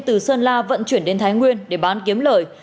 từ sơn la vận chuyển đến thái nguyên để bán kiếm lời